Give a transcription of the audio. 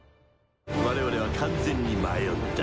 我々は完全に迷った。